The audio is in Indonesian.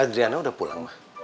adriana udah pulang ma